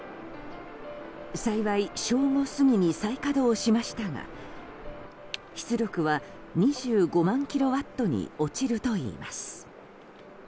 幸い、正午過ぎに再稼働しましたが出力は２５万キロワットに落ちるということです。